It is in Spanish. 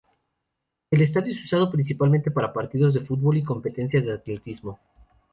El estadio es usado principalmente para partidos de fútbol y competencias de atletismo.